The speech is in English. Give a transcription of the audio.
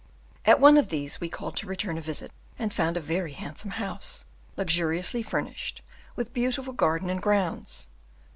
At one of these we called to return a visit and found a very handsome house, luxuriously furnished, with beautiful garden and grounds.